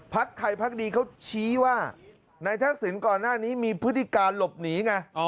ไทยพักดีเขาชี้ว่านายทักษิณก่อนหน้านี้มีพฤติการหลบหนีไง